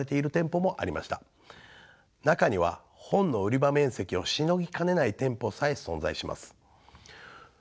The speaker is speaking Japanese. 中には本の売り場面積をしのぎかねない店舗さえ存在します。